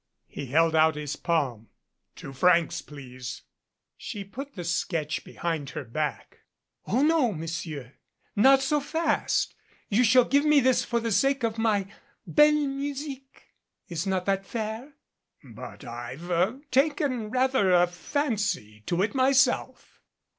He held out his palm. "Two francs, please." She put the sketch behind her back. "Oh, no, Monsieur. Not so fast. You shall give me this for the sake of my belle musique. Is not that fair?" "But I've taken rather a fancy to it myself."